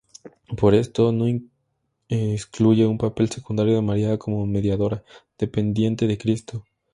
Pero esto no excluye un papel secundario de María como mediadora, dependiente de Cristo.